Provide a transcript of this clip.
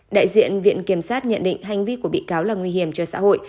đại diện viện kiểm sát nhận định hành vi của bị cáo là nguy hiểm cho xã hội